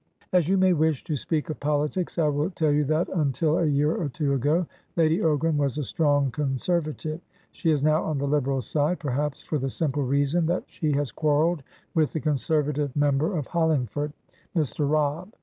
"As you may wish to speak of polities, I will tell you that, until a year or two ago, Lady Ogram was a strong Conservative; she is now on the Liberal side, perhaps for the simple reason that she has quarrelled with the Conservative member of Hollingford, Mr. Robb.